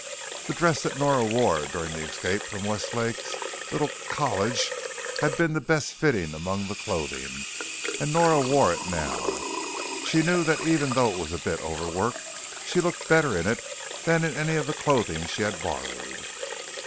The dress that Nora had worn during the escape from Westlake's little college had been the best fitted among the clothing, and Nora wore it now. She knew that even though it was a bit overworked, she looked better in it than in any of the clothing she had borrowed.